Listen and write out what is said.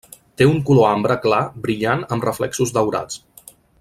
Té un color ambre clar brillant amb reflexos daurats.